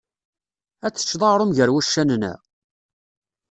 Ad teččeḍ aɣrum ger wuccanen-a?